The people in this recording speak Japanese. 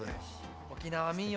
沖縄民謡